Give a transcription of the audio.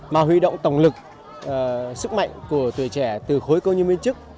mà huy động tổng lực sức mạnh của tuổi trẻ từ khối công nhân viên chức